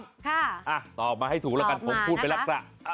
ค่ะตอบมาให้ถูกแล้วกันผมพูดไปแล้วครับ